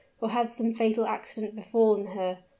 or had some fatal accident befallen her.